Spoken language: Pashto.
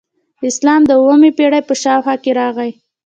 اسلام د اوومې پیړۍ په شاوخوا کې راغی